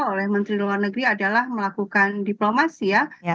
oleh menteri luar negeri adalah melakukan diplomasi ya